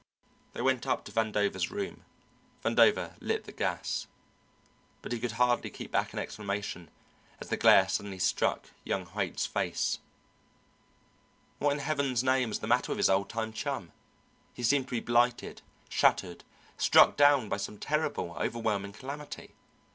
They went up to Vandover's room. Vandover lit the gas, but he could hardly keep back an exclamation as the glare suddenly struck young Haight's face. What in heaven's name was the matter with his old time chum? He seemed to be blighted, shattered, struck down by some terrible, overwhelming calamity.